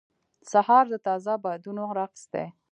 سهار د تازه بادونو رقص دی.